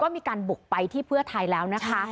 มีการบุกไปที่เพื่อไทยแล้วนะคะ